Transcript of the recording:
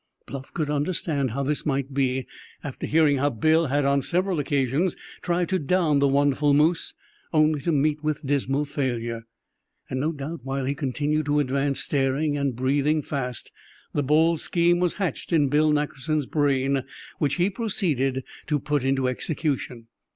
Bluff could understand how this might be, after hearing how Bill had on several occasions tried to down the wonderful moose, only to meet with dismal failure. And no doubt while he continued to advance, staring, and breathing fast, the bold scheme was hatched in Bill Nackerson's brain which he proceeded to put into execution.